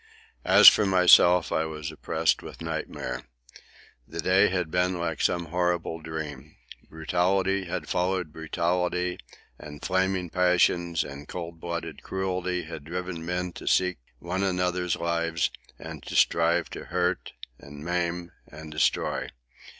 As for myself, I was oppressed with nightmare. The day had been like some horrible dream. Brutality had followed brutality, and flaming passions and cold blooded cruelty had driven men to seek one another's lives, and to strive to hurt, and maim, and destroy.